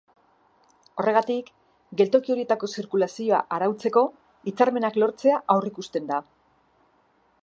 Horregatik, geltoki horietako zirkulazioa arautzeko hitzarmenak lortzea aurreikusten da.